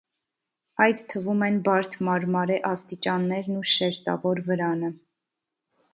Այդ թվում են բարդ մարմարե աստիճաններն ու շերտավոր վրանը։